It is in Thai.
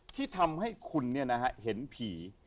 ที่ทำให้คุณเห็นผี